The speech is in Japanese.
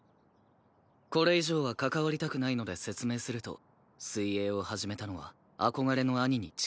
これ以上は関わりたくないので説明すると水泳を始めたのは憧れの兄に近づきたいから。